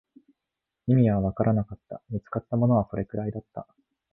意味はわからなかった、見つかったものはそれくらいだった